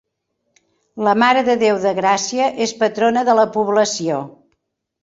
La Mare de Déu de Gràcia és patrona de la població.